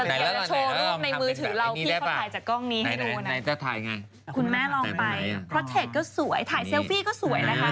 ถ่ายทุบช็อตค่ะโอ๊ยสวยมากคุณแม่ผ่านถ่ายแบบ๓๐เลยอ่ะ